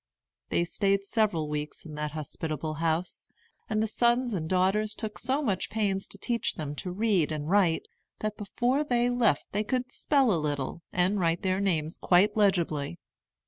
They stayed several weeks in that hospitable house, and the son and daughters took so much pains to teach them to read and write, that before they left they could spell a little, and write their names quite legibly.